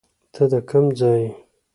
ته د کم ځای یې